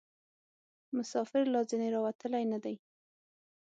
مسافر لا ځني راوتلي نه دي.